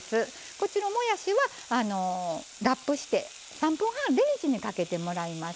こっちのもやしはあのラップして３分半レンジにかけてもらいます。